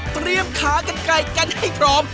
เตรียมขากันไกลกันให้พร้อม